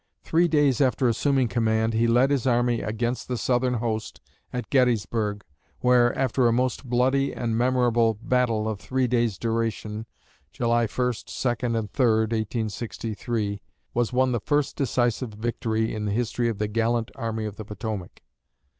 Three days after assuming command, he led his army against the Southern host at Gettysburg, where, after a most bloody and memorable battle of three days' duration (July 1, 2, and 3, 1863), was won the first decisive victory in the history of the gallant Army of the Potomac.